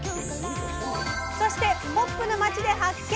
そしてホップの町で発見！